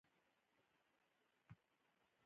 نوې اړیکې د زړو او پخوانیو اړیکو ځای نیسي.